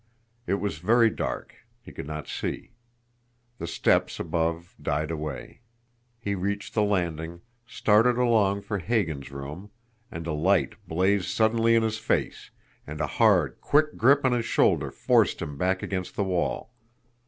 It was very dark he could not see. The steps above died away. He reached the landing, started along for Hagan's room and a light blazed suddenly in his face, and a hard, quick grip on his shoulder forced him back against the wall.